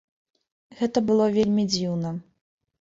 Гэта было вельмі дзіўна.